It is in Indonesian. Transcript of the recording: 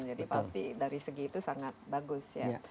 jadi pasti dari segi itu sangat bagus ya